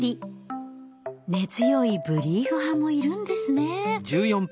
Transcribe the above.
根強いブリーフ派もいるんですね。